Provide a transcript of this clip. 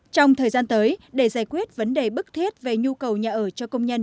trong thời gian tới để giải quyết vấn đề bức thiết về nhu cầu nhà ở cho công nhân